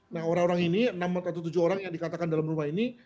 nah orang orang ini enam atau tujuh orang yang dikatakan dalam rumah ini